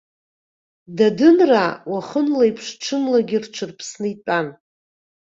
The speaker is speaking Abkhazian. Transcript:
Дадынраа, уахынлеиԥш, ҽынлагьы рҽырԥсны итәан.